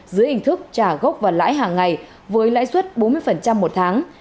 dưới hình thức trả gốc và lãi hàng ngày với lãi suất bốn mươi một tháng